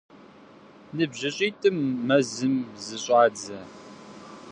НыбжьыщӀитӀым мэзым зыщӀадзэ.